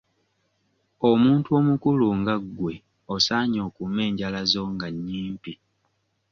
Omuntu omukulu nga gwe osaanye okuume enjala zo nga nnyimpi.